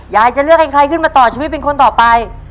ยายจะเลือกให้ใครขึ้นมาต่อชีวิตเป็นคนต่อไป